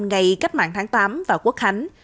ngày cách mạng tháng tám và quốc hánh